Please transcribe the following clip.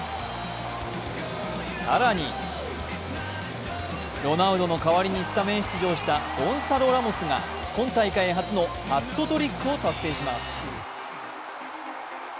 更に、ロナウドの代わりにスタメン出場したゴンサロ・ラモスが今大会初のハットトリックを達成します。